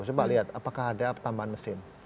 coba lihat apakah ada tambahan mesin